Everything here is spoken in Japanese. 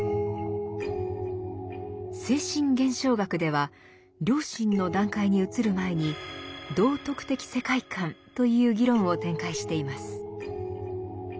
「精神現象学」では良心の段階に移る前に「道徳的世界観」という議論を展開しています。